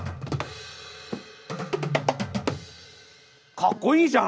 かっこいいじゃん！